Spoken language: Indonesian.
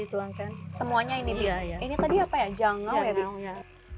hai dituangkan semuanya ini ini tadi apa ya jangan ya